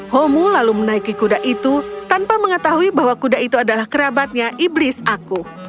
homo lalu menaiki kuda itu tanpa mengetahui bahwa kuda itu adalah kerabatnya iblis aku